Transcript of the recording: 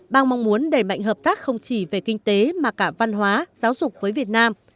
bang mong muốn đẩy mạnh hợp tác không chỉ về kinh tế mà cả văn hóa giáo dục với việt nam